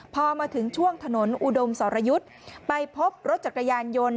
พอมาถึงช่วงถนนอุดมสรยุทธ์ไปพบรถจักรยานยนต์